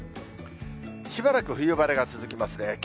しばらく冬晴れが続きますね。